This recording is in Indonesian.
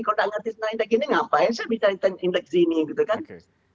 kalau tidak mengerti tentang indeks gini mengapa saya bisa bertanya tentang indeks gini